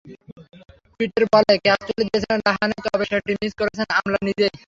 পিটের বলে ক্যাচ তুলে দিয়েছিলেন রাহানে, তবে সেটি মিস করেছেন আমলা নিজেই।